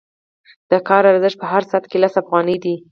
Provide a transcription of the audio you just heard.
د کار ارزښت په هر ساعت کې لس افغانۍ دی